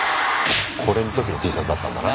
これの時のＴシャツだったんだな。